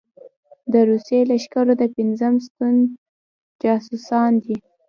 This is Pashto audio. د روسي لښکرو د پېنځم ستون جاسوسان دي.